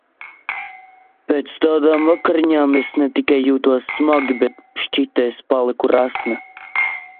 Pēc tādām vakariņām es ne tikai jūtos smagi, bet šķita es paliku resna.